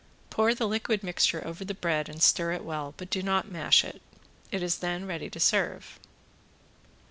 Pour the liquid mixture over the bread and stir it well, but do not mash it. It is then ready to serve.